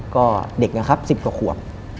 ก็เด็กนะครับ๑๐กว่าขวบ